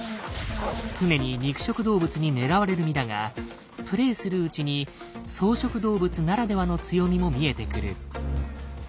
常に肉食動物に狙われる身だがプレイするうちに草食動物ならではの強みも見えてくる。